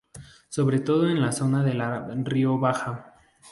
Sobre todo en la zona de la Rioja Baja.